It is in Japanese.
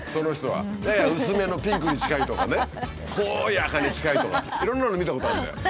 やや薄めのピンクに近いとかね濃い赤に近いとかいろんなの見たことあるんだよ。